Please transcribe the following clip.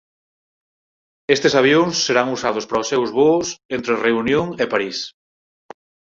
Estes avións serán usados para os seus voos entre Reunión e París.